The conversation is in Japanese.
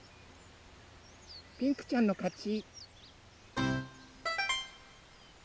ピンクちゃんのかち！